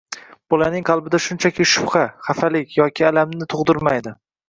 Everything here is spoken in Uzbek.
bolaning qalbida shunchaki shubha, xafalik yoki alamni tug‘dirmaydi.